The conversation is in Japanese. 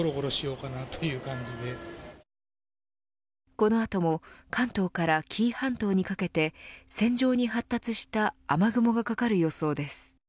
このあとも関東から紀伊半島にかけて線状に発達した雨雲がかかる予想です。